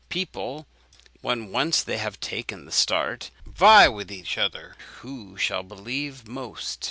People, when once they have taken the start, vie with each other who shall believe most.